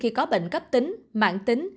khi có bệnh cấp tính mạng tính